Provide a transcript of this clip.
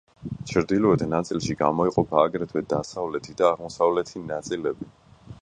ჩრდილოეთ ნაწილში გამოიყოფა აგრეთვე დასავლეთი და აღმოსავლეთი ნაწილები.